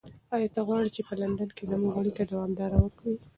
ایا ته غواړې چې په لندن کې زموږ اړیکه دوامداره وي؟